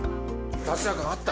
達哉君、あった。